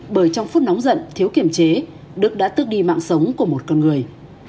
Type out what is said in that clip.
bởi trong phút nóng giận thiếu kiểm chế đức đã tước đi mạng sống của một con người